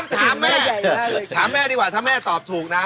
ถามแม่ดีกว่าถ้าแม่ตอบถูกนะ